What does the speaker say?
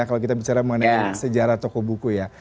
kalau kita bicara mengenai sejarah toko buku ya